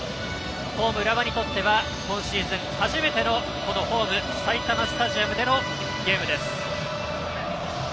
ホーム、浦和にとっては今シーズン初めてのホーム埼玉スタジアムでのゲームです。